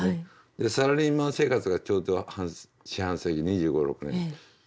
でサラリーマン生活がちょうど四半世紀２５２６年。